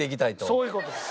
そういう事です。